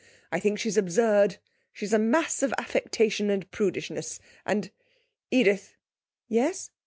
I think she's absurd; she's a mass of affectation and prudishness. And Edith!' 'Yes?'